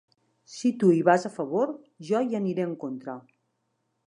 Si tu hi vas a favor, jo hi aniré en contra.